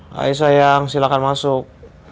hai sayang silakan masuk